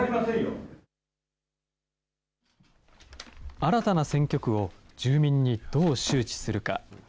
新たな選挙区を住民にどう周知するか。